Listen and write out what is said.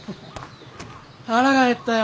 腹が減ったよ。